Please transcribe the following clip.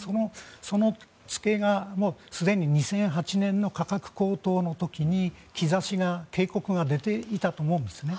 そのツケがすでに２００８年の価格高騰の時に兆しが警告が出ていたと思うんですね。